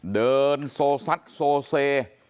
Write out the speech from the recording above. เดินโซซัดโซเซ